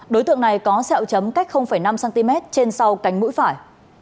đối tượng này có xeo chấm cách năm cm trên sau cánh mũi phải